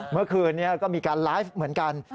เมื่อคืนนี้ก็มีการไลฟ์เหมือนกัน